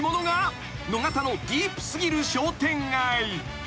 ［野方のディープ過ぎる商店街］